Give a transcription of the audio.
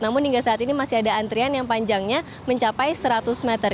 namun hingga saat ini masih ada antrian yang panjangnya mencapai seratus meter